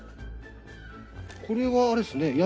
これはあれですね。